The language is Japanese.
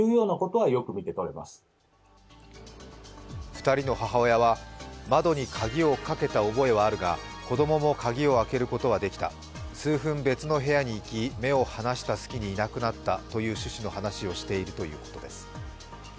２人の母親は、窓に鍵をかけた覚えはあるが、子供も鍵を開けることはできた、数分、別の部屋にいき目を離した隙にいなくなったという趣旨の話をしているということです。